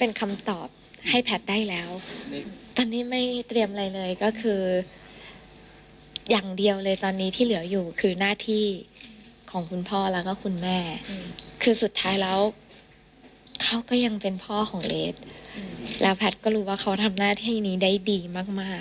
เอาไปส่วนเสียงของแพทย์นะครับ